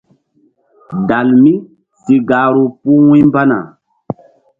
Dalmi si gahru puh wu̧ymbana.